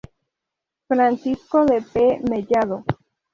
Francisco de P. Mellado.